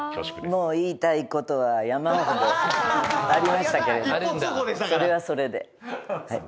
もう言いたい事は山ほどありましたけれどそれはそれではい。